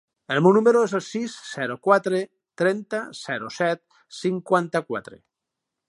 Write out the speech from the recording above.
El meu número es el sis, zero, quatre, trenta, zero, set, cinquanta-quatre.